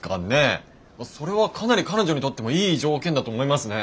それはかなり彼女にとってもいい条件だと思いますね。